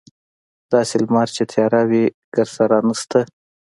داسې لمر چې تیاره وي ګردسره نشته.